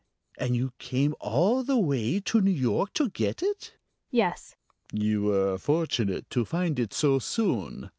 And you came all the way to New York to get it?" "Yes." "You were fortunate to find it so soon."